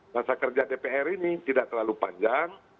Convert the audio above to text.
masa kerja dpr ini tidak terlalu panjang